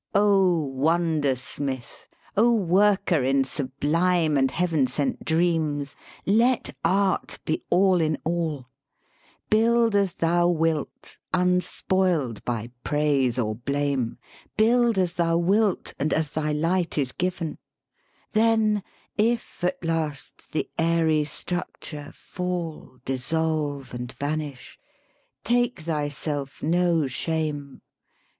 O Wondersmith, O Worker in sublime And Heaven sent dreams, let art be all in all; Build as thou wilt, unspoiled by praise or blame, Build as thou wilt, and as thy light is given: Then, if at last the airy structure fall, Dissolve, and vanish take thyself no shame.